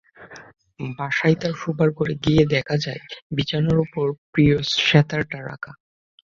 বাসায় তাঁর শোবার ঘরে গিয়ে দেখা যায়, বিছানার ওপর প্রিয় সেতারটা রাখা।